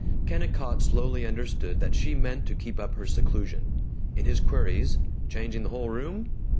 Kennicott slowly understood that she meant to keep up her seclusion. In his queries, "Changing the whole room?"